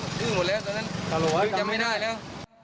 ตอนนั้นคือจำไม่ได้แล้ว